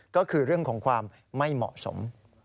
ก็คือเรื่องของความไม่เหมาะสม